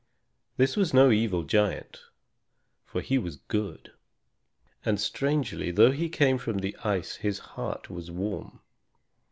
This was no evil giant, for he was good; and, strangely, though he came from the ice his heart was warm.